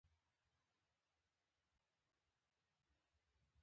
د اوبو کلمه په کیمیا کې ځانګړې مانا لري